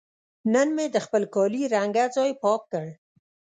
نن مې د خپل کالي رنګه ځای پاک کړ.